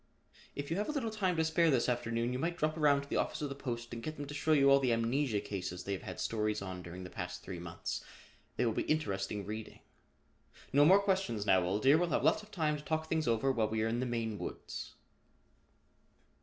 If you have a little time to spare this afternoon you might drop around to the office of the Post and get them to show you all the amnesia cases they have had stories on during the past three months. They will be interesting reading. No more questions now, old dear, we'll have lots of time to talk things over while we are in the Maine woods."